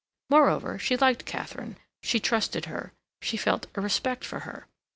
Moreover, she liked Katharine; she trusted her; she felt a respect for her.